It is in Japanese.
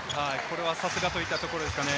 さすがといったところですね。